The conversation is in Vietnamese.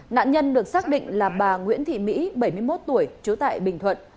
nạn nhân được xác định là bà nguyễn thị mỹ bảy mươi một tuổi trú tại bình thuận